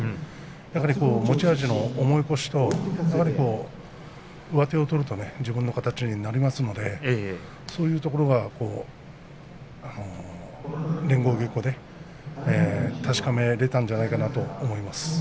やはり持ち味の重い腰と上手を取ると自分の形になりますのでそういうところが連合稽古で確かめられたんじゃないかと思います。